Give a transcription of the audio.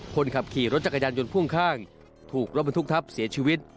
คนขับขี่รถจักรยานยนต์พ่วงข้างถูกรถบรรทุกทับเสียชีวิต